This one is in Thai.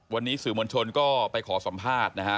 วันนี้สื่อมวลชนก็ไปขอสัมภาษณ์นะฮะ